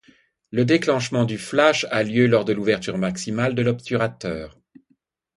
Le déclenchement du flash a lieu lors de l'ouverture maximale de l'obturateur.